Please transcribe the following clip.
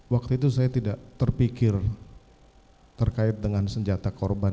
waktu itu saya tidak terpikir terkait dengan senjata korban